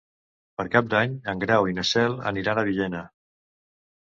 Per Cap d'Any en Grau i na Cel aniran a Villena.